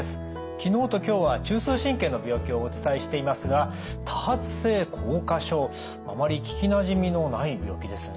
昨日と今日は中枢神経の病気をお伝えしていますが多発性硬化症あまり聞きなじみのない病気ですね。